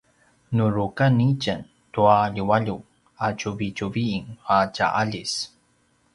nu rukan itjen tua ljualju ’atjuvitjuvin a tja aljis